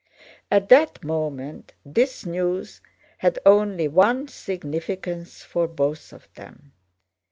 At that moment this news had only one significance for both of them.